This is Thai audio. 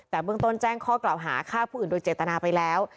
แต่เบื้องต้นแจ้งข้อกล่าวหาฆ่าผู้อื่นโดยเจตนาไปแล้ว